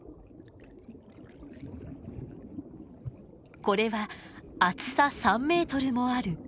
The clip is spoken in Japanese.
これは厚さ３メートルもある石の壁。